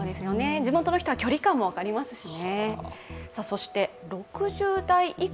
地元の人は距離感も分かりますしね。